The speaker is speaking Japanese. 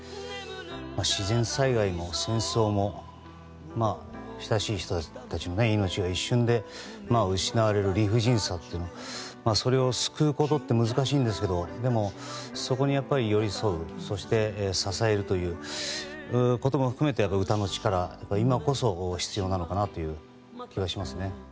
自然災害も、戦争も親しい人たちの命が一瞬で失われる理不尽さそれを救うことって難しいんですけどでも、そこに寄り添うそして支えるということも含めて歌の力、今こそ必要なのかなという気がします。